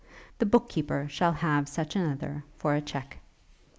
The book keeper shall have such another for a check.'